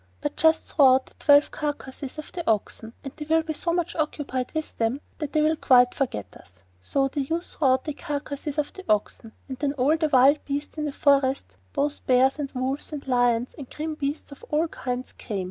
But just throw out the twelve carcasses of the oxen, and they will be so much occupied with them that they will quite forget us.' So the youth threw out the carcasses of the oxen, and then all the wild beasts in the forest, both bears and wolves, and lions, and grim beasts of all kinds, came.